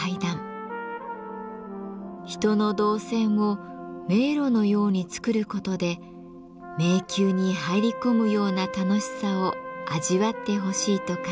人の動線を迷路のように作ることで迷宮に入り込むような楽しさを味わってほしいと考えました。